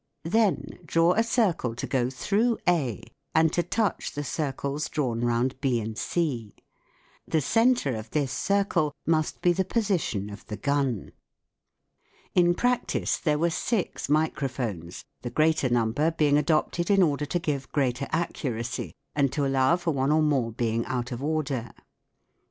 Then draw a circle to go SOUND IN WAR 187 through A and to touch the circles drawn round B and C. The centre of this circle must be the position of the gun. In practice there were six microphones, the greater number being adopted in order to give greater accuracy and to allow for one or more being out of order.